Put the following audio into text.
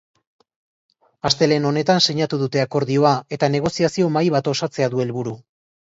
Astelehen honetan sinatu dute akordioa, eta negoziazio mahai bat osatzea du helburu.